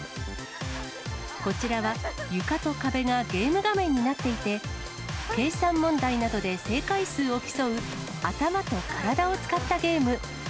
こちらは、床と壁がゲーム画面になっていて、計算問題などで正解数を競う、頭と体を使ったゲーム。